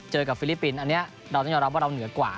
เจอกับฟิลิปปินส์อันนี้เราต้องยอมรับว่าเราเหนือกว่า